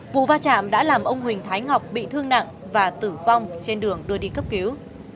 vụ va chạm đã làm ông huỳnh thái ngọc bị thương nặng và tử vong trên đường đưa đi cấp cứu